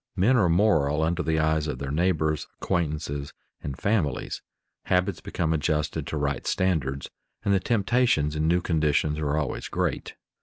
Men are moral under the eyes of their neighbors, acquaintances, and families; habits become adjusted to right standards, and the temptations in new conditions are always great.